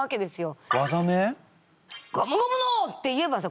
「ゴムゴムの」って言えばさ